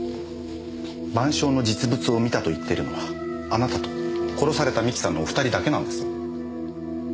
『晩鐘』の実物を見たと言っているのはあなたと殺された三木さんのお二人だけなんです。